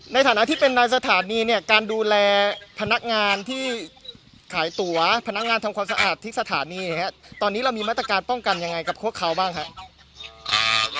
ในฐานะที่เป็นนายสถานีเนี่ยการดูแลพนักงานที่ขายตัวพนักงานทำความสะอาดที่สถานีตอนนี้เรามีมาตรการป้องกันยังไงกับพวกเขาบ้างครับ